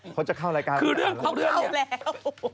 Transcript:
เขาจะเข้ารายการคือเรื่องของเรื่องเสร็จแล้ว